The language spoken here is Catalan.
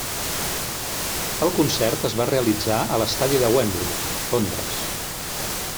El concert es va realitzar a l'estadi de Wembley, Londres.